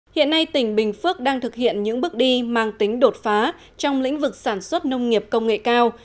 hiện nay tỉnh bình phước đang thực hiện những bước đi mang tính đột phá trong lĩnh vực sản xuất nông nghiệp công nghệ cao